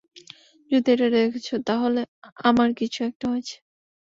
যদি এটা দেখছ, তাহলে আমার কিছু একটা হয়েছে।